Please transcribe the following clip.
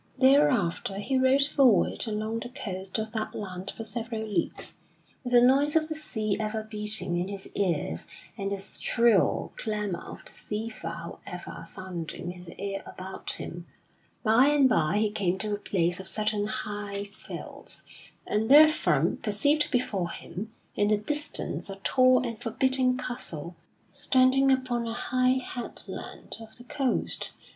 [Sidenote: Sir Tristram arrives at the castle of Sir Nabon] Thereafter he rode forward along the coast of that land for several leagues, with the noise of the sea ever beating in his ears, and the shrill clamor of the sea fowl ever sounding in the air about him. By and by he came to a place of certain high fells, and therefrom perceived before him in the distance a tall and forbidding castle standing upon a high headland of the coast.